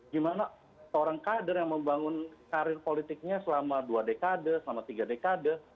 gimana seorang kader yang membangun karir politiknya selama dua dekade selama tiga dekade